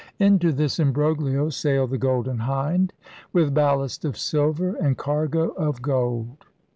Into this imbroglio sailed the Golden Hind with ballast of silver and cargo of gold.